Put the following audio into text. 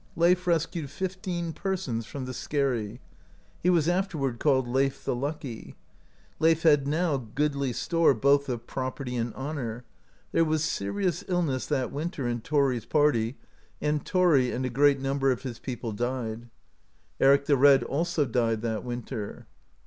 Leif rescued fifteen persons from the skerry. He was afterward called Leif the Lucky. Leif had now goodly store both of property and honour. There was serious illness that winter in Thori's party, and Thori and a great number of his people died. Eric the Red also died that winter.